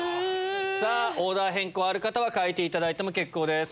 オーダー変更ある方は替えていただいても結構です。